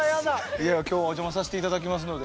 いや今日はお邪魔させて頂きますので。